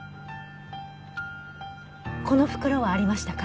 この袋はありましたか？